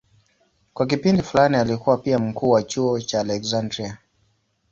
Kwa kipindi fulani alikuwa pia mkuu wa chuo cha Aleksandria.